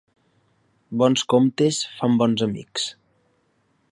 Bons comptes fan bons amics.